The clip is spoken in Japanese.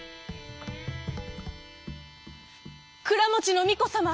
「くらもちのみこさま。